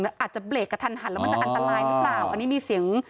แล้วอาจจะเบรกกับทันแล้วมันจะอัธิบายหรือเปล่าอันนี้มีเสียง